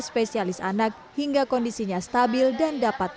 spesialis anak hingga kondisinya stabil dan dapat